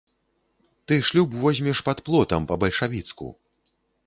Ты шлюб возьмеш пад плотам, па-бальшавіцку.